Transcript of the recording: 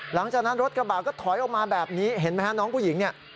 หลังจากนั้นรถกระบะก็ถอยออกมาแบบนี้เห็นไหมฮะน้องผู้หญิงนี่